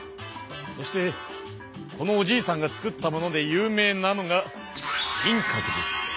そしてこのおじいさんが作ったもので有名なのが金閣寺。